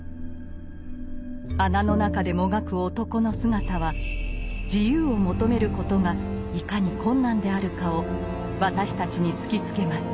穴の中でもがく男の姿は「自由」を求めることがいかに困難であるかを私たちに突きつけます。